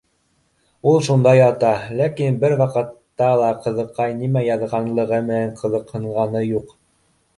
Ул шунда ята, ләкин бер ваҡытта ла ҡыҙыҡай нимә яҙған лығы менән ҡыҙыҡһынғаны юҡ